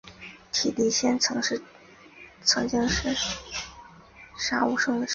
而铁笛仙曾经是杀无生的师父。